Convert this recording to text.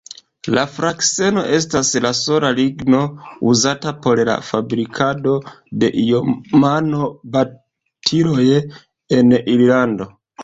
La frakseno estas la sola ligno uzata por la fabrikado de iomano-batiloj en Irlando.